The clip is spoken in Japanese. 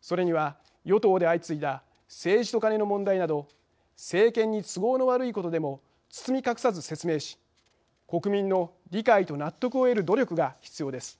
それには、与党で相次いだ政治とカネの問題など政権に都合の悪いことでも包み隠さず説明し国民の理解と納得を得る努力が必要です。